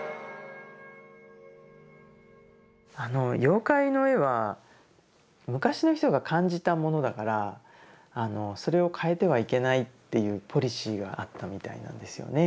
あの妖怪の絵は昔の人が感じたものだからそれを変えてはいけないっていうポリシーがあったみたいなんですよね。